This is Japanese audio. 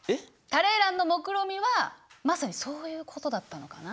タレーランのもくろみはまさにそういうことだったのかな？